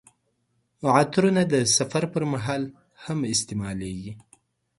عطرونه د سفر پر مهال هم استعمالیږي.